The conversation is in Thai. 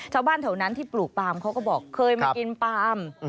ชาวบ้านแถวนั้นที่ปลูกปลามเขาก็บอกเคยมากินปาล์ม